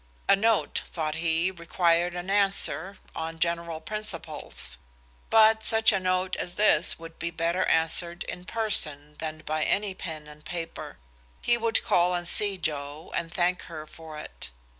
A note, thought he, required an answer, on general principles but such a note as this would be better answered in person than by any pen and paper. He would call and see Joe, and thank her for it.